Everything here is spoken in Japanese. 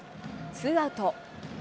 ツーアウト。